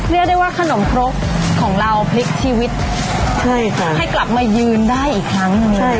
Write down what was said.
เรียกได้ว่าขนมครกของเราพลิกชีวิตใช่ค่ะให้กลับมายืนได้อีกครั้งหนึ่งเลย